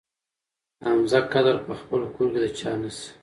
حمزه قدر په خپل کور کې د چا نه شي.